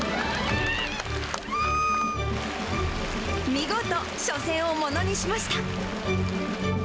見事、初戦をものにしました。